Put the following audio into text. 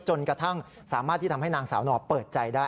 จนกระทั่งสามารถที่ทำให้นางสาวหนอเปิดใจได้